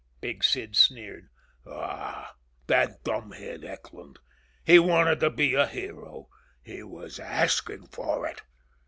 Big Sid sneered. "Ah h, that dumbhead, Eckland! He wanted to be a hero. He was asking for it!"